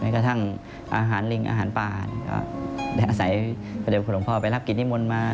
กระทั่งอาหารลิงอาหารป่าก็ได้อาศัยพระเด็จคุณหลวงพ่อไปรับกิจนิมนต์มา